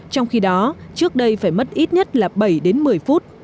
trong khi đó trước đây phải mất ít nhất là bảy đến một mươi phút